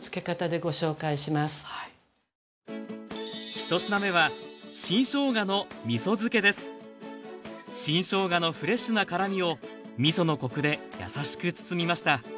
１品目は新しょうがのフレッシュな辛みをみそのコクで優しく包みました。